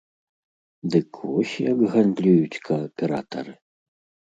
Дык вось як гандлююць кааператары.